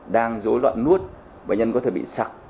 có đoạn nuốt bệnh nhân có thể bị sặc